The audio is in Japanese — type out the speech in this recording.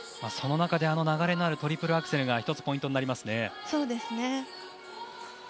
その中で流れのあるトリプルアクセルが一つポイントです。